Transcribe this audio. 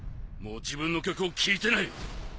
もう自分の曲を聞いてない」